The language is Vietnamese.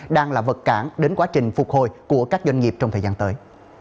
đang là vật cản đến quá trình phục hồi của các doanh nghiệp trong thời gian tới